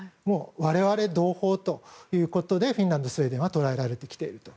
我々の同胞だとフィンランド、スウェーデンは捉えられていると。